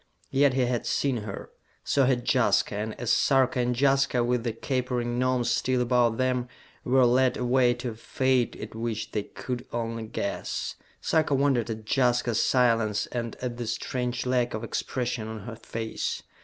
Yet he had seen her. So had Jaska, and as Sarka and Jaska, with the capering Gnomes still about them, were led away to a fate at which they could only guess, Sarka wondered at Jaska's silence and at the strange lack of expression on her face.